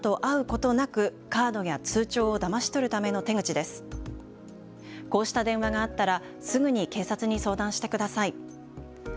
こうした電話があったらすぐに警察に相談してください。